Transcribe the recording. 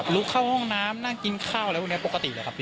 ลุกเข้าห้องน้ำนั่งกินข้าวอะไรพวกนี้ปกติเลยครับพี่